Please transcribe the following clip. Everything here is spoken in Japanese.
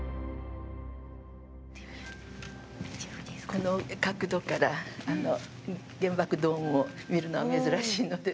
この角度から、原爆ドームを見るのは珍しいので。